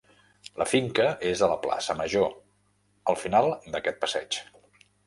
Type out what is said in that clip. La finca és a la plaça Major, al final d'aquest passeig.